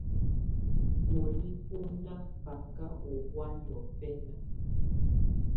Bɔ̀óli bù nà faka ù hɔ̀á niɔ̀fɛna.